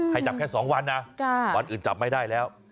ให้จับแค่๒วันนะวันอื่นจับไม่ได้แล้ว